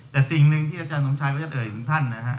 แต่สิ่งหนึ่งที่อาจารย์สมชัยก็จะเอ่ยถึงท่านนะฮะ